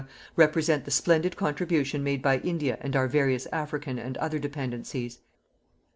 represent the splendid contribution made by India and our various African and other Dependencies.